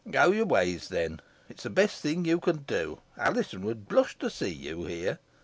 Go your ways, then. It is the best thing you can do. Alizon would blush to see you here."